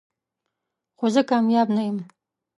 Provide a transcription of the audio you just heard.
خو زه کامیاب نه یم .